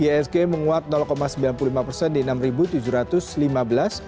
iasg menguat sembilan puluh lima persen di enam tujuh ratus lima belas